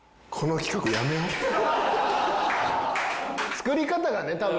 作り方がね多分。